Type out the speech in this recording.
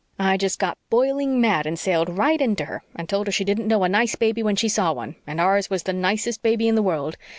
I just got boiling mad, and I sailed right into her, and told her she didn't know a nice baby when she saw one, and ours was the nicest baby in the world.